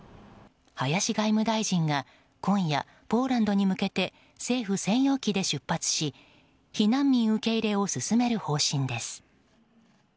林外務大臣が今夜ポーランドに向けて政府専用機で出発し避難受け入れを進める方針です。